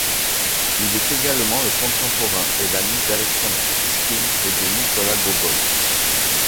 Il est également le contemporain et l'ami d'Alexandre Pouchkine et de Nicolas Gogol.